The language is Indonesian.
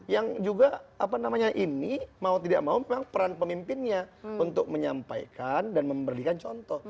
yang juga apa namanya ini mau tidak mau memang peran pemimpinnya untuk menyampaikan dan memberikan contoh